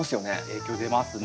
影響出ますね。